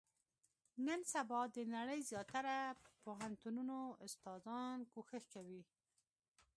نن سبا، د نړۍ د زیاتره پوهنتونو استادان، کوښښ کوي.